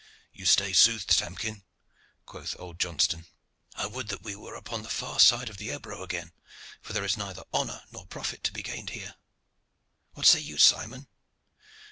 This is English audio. "You say sooth, Samkin," quoth old Johnston. "I would that we were upon the far side of Ebro again, for there is neither honor nor profit to be gained here. What say you, Simon?"